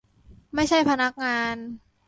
ไม่ใช่พนักงาน